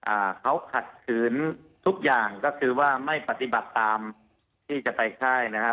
อ่าเขาขัดขืนทุกอย่างก็คือว่าไม่ปฏิบัติตามที่จะไปค่ายนะครับ